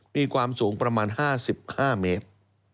มีความสูงประมาณ๕๕เมตร